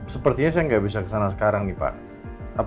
sepertinya saya nggak bisa kesana sekarang nih pak